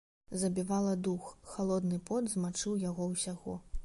Забівала дух, халодны пот змачыў яго ўсяго.